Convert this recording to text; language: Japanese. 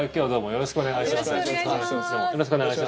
よろしくお願いします。